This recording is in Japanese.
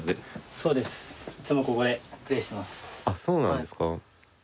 そうなんですか。